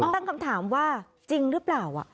ตั้งคำถามว่าจริงหรือเปล่า